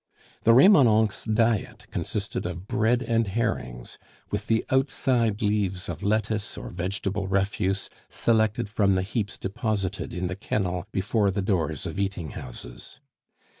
The Remonencqs' diet consisted of bread and herrings, with the outside leaves of lettuce or vegetable refuse selected from the heaps deposited in the kennel before the doors of eating houses.